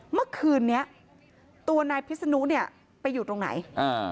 เมื่อคืนนี้ตัวนายพิษนุเนี่ยไปอยู่ตรงไหนอ่า